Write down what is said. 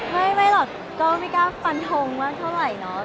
ไม่หรอกก็ไม่กล้าฟันทงมากเท่าไหร่เนาะ